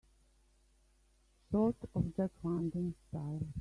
Sort of a Jack London style?